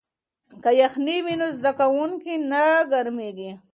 که یخنۍ وي نو زده کوونکی نه ګرمیږي.